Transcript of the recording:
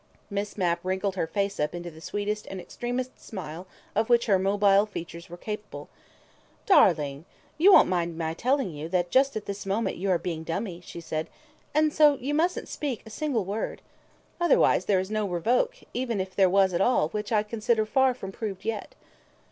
Miss Mapp wrinkled her face up into the sweetest and extremest smile of which her mobile features were capable. "Darling, you won't mind my telling you that just at this moment you are being dummy," she said, "and so you mustn't speak a single word. Otherwise there is no revoke, even if there was at all, which I consider far from proved yet."